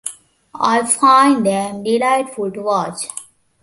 I find them delightful to watch.